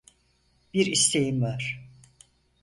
Bir isteğim var.